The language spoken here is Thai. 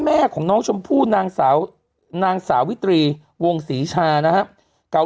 แม่ของน้องชมพู่นางสาวนางสาวิตรีวงศรีชานะครับเก่า